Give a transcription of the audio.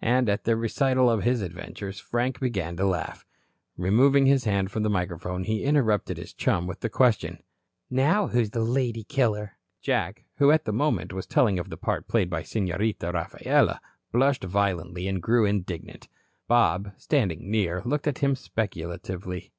And at the recital of his adventures, Frank began to laugh. Removing his hand from the microphone, he interrupted his chum with the question: "Now, who's the lady killer?" Jack, who at the moment, was telling of the part played by Senorita Rafaela, blushed violently and grew indignant. Bob, standing near, looked at him speculatively.